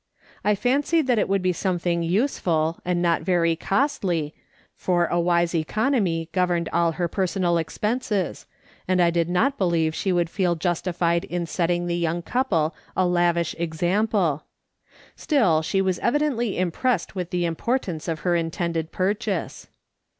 I fancied that it would be something use ful, and not very costly, for a wise economy governed all her personal expenses, and I did not believe she would feel justified in setting the young couple a lavish example ; still she was evidently impressed with the importance of her intended purchase.